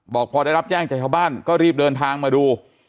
บอกพอได้รับแจ้งจากชาวบ้านก็รีบเดินทางมาดู